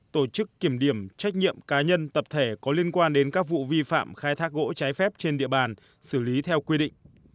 tổ chức kiểm điểm trách nhiệm cá nhân tập thể có liên quan đến các vụ vi phạm khai thác gỗ trái phép trên địa bàn xử lý theo quy định